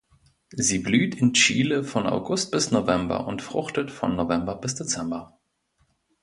Sie blüht in Chile von August bis November und fruchtet von November bis Dezember.